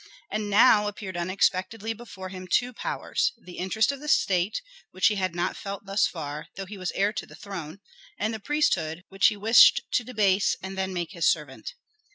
And now appeared unexpectedly before him two powers, the interest of the state, which he had not felt thus far, though he was heir to the throne; and the priesthood, which he wished to debase and then make his servant.